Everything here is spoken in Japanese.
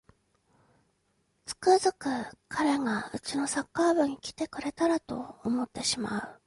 つくづく彼がうちのサッカー部に来てくれたらと思ってしまう